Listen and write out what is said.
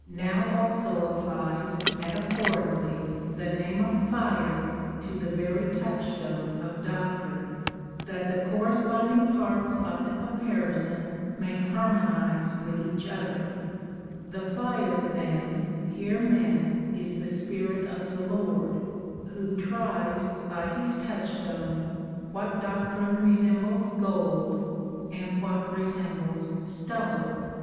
Paul having spoken of doctrine metaphorically, now also applies metaphorically the name of fire to the very touchstone of doctrine, that the cor responding parts of the comparison may harmonize with each other. Thej^re, then, here meant is the Spirit of the Lord, who tries by his touchstone what doctrine resembles gold and what resembles stubble.